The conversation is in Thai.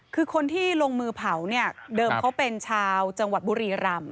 คือคนที่ลงมือเผาเนี่ยเดิมเขาเป็นชาวจังหวัดบุรีรำ